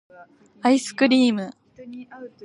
愛♡スクリ～ム!